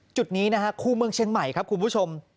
จุดนี้นะฮะคู่เมืองเชียงใหม่ครับคุณผู้ชม